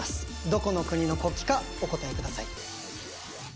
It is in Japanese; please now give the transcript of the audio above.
どこの国の国旗かお答えください